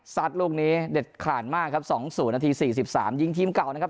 ลูกนี้เด็ดขาดมากครับ๒๐นาที๔๓ยิงทีมเก่านะครับ